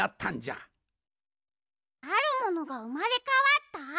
あるものがうまれかわった？